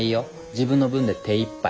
自分の分で手いっぱい。